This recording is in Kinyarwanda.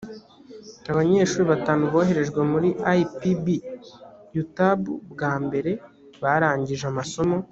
abanyeshuri batanu boherejwe muri ipb utab bwa mbere barangije amasomo